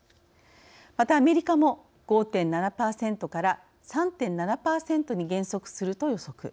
また、アメリカも５．７％から３．７％に減速すると予測。